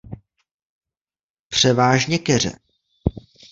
Převážně keře.